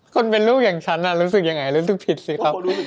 คนเป็นลูกอย่างฉันรู้สึกยังไงรู้สึกผิดสิครับ